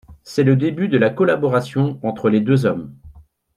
C'est le début de la collaboration entre les deux hommes.